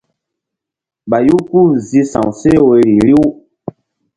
Ɓayu ku-u zi sa̧w seh woyri riw.